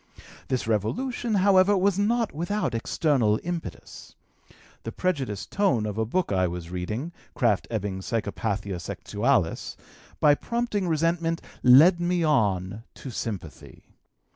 This revolution, however, was not without external impetus. The prejudiced tone of a book I was reading, Krafft Ebing's Psychopathia Sexualis, by prompting resentment, led me on to sympathy.